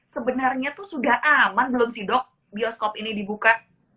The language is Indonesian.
sebenarnya tuh sudah aman belum sih dok bioskop ini dibuka